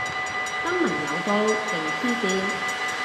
新聞有報，勁黐線